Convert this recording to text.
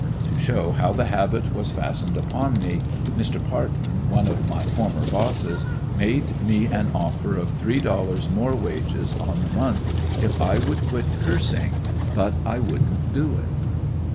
To show how the habit was fastened upon me: Mr. Parten, one of my former bosses, made me an offer of three dollars more wages, on the month, if I would quit cursing but I wouldn't do it.